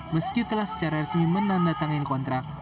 meski telah secara resmi menandatangani kontrak